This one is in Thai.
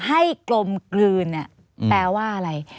ให้กลมกลืนแปลว่าอะไร